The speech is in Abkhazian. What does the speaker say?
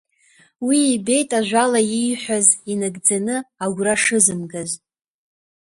Уи ибеит ажәала ииҳәаз инагӡаны агәра шызымгаз.